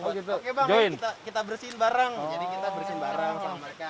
oke bang kita bersihin bareng